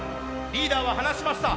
リーダーは話しました